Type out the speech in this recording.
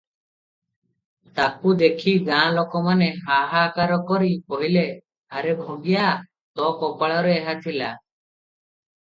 ତାକୁ ଦେଖି ଗାଁ ଲୋକମାନେ ହାହାକାର କରି କହିଲେ, "ଆରେ ଭଗିଆ, ତୋ କପାଳରେ ଏହା ଥିଲା ।"